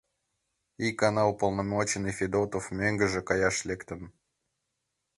Икана уполномоченный Фёдоров мӧҥгыжӧ каяш лектын.